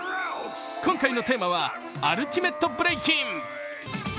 今回のテーマはアルティメットブレイキン！